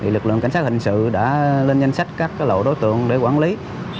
lực lượng cảnh sát hình sự đã lên danh sách các lộ đối tượng để quản lý